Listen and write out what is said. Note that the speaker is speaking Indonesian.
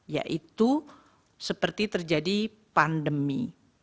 yaitu seperti terjadi pandemi